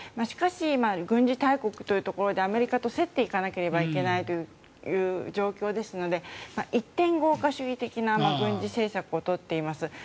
しかし、軍事大国というところでアメリカと競っていかなければいけないという状況ですので一点豪華主義的な軍事政策を取っています。